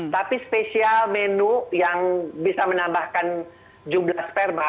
tapi spesial menu yang bisa menambahkan jumlah sperma